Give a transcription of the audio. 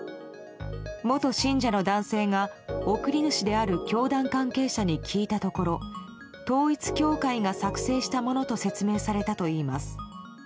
元信者の男性が送り主である教団関係者に聞いたところ統一教会が作成したものと説明されたといいます。